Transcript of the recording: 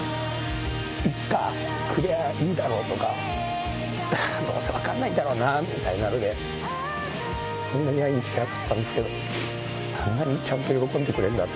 いつかくりゃいいだろうとか、どうせ分かんないんだろうなみたいなので、こんなに愛に来てなかったんですけど、あんなにちゃんと喜んでくれるんだと。